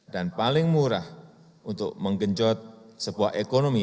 dan paling murah untuk menggenjot sebuah ekonomi